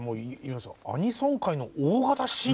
アニソン界の大型新人と。